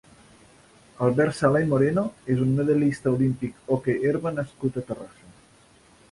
Albert Sala i Moreno és un medallista olímpic hockey herba nascut a Terrassa.